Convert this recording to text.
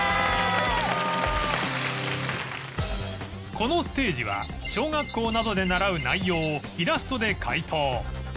このステージは小学校などで習う内容をイラストで解答